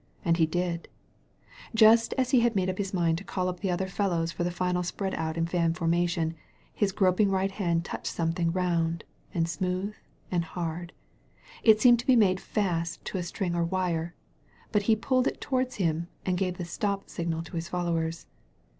And he did ! Just as he had made up his mind to call up the other fellows for the final spreadout in fan forma tion^ his groping right hand touched something round and smooth and hard. It seemed to be made fast to a string or wire» but he pulled it toward him and gave the '*stop" signal to his followers.